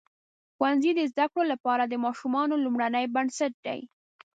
ښوونځی د زده کړو لپاره د ماشومانو لومړنۍ بنسټ دی.